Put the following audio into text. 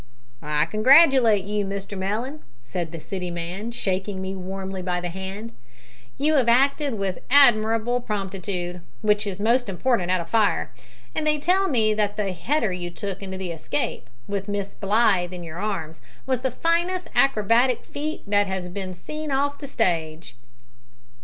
"I congratulate you, Mr Mellon," said the City man, shaking me warmly by the hand. "You have acted with admirable promptitude which is most important at a fire and they tell me that the header you took into the escape, with Miss Blythe in your arms, was the finest acrobatic feat that has been seen off the stage."